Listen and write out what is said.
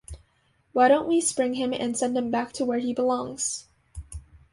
Why don't we spring him and send him back to where he belongs?